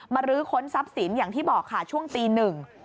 รื้อค้นทรัพย์สินอย่างที่บอกค่ะช่วงตีหนึ่ง